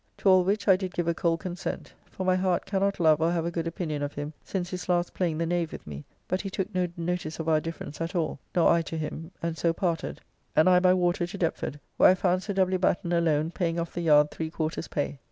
To all which I did give a cold consent, for my heart cannot love or have a good opinion of him since his last playing the knave with me, but he took no notice of our difference at all, nor I to him, and so parted, and I by water to Deptford, where I found Sir W. Batten alone paying off the yard three quarters pay.